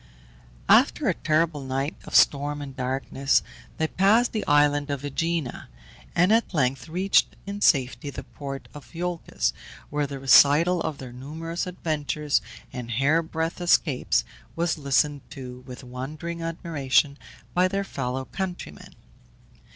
After a terrible night of storm and darkness they passed the island of Ægina, and at length reached in safety the port of Iolcus, where the recital of their numerous adventures and hair breadth escapes was listened to with wondering admiration by their fellow countrymen.